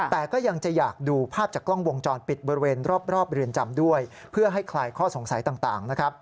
แต่ก็ยังจะอยากดูภาพจากกล้องวงจรปิดบริเวณรอบเพื่อให้คลายข้อสงสัยต่าง